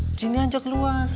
disini aja keluar